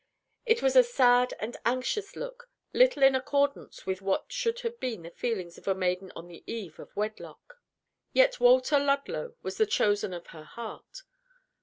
It was a sad and anxious look, little in accordance with what should have been the feelings of a maiden on the eve of wedlock. Yet Walter Ludlow was the chosen of her heart.